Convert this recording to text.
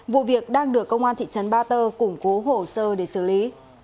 vụ việc đang được công an thị trấn ba tơ củng cố hồ sơ để xử lý